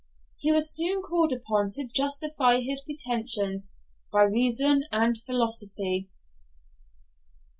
He was soon called upon to justify his pretensions by reason and philosophy.